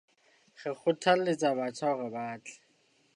Re kgothalletsa batjha hore ba tle.